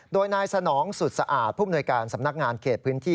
โดยนายสนองสุดสะอาดผู้มนวยการสำนักงานเขตพื้นที่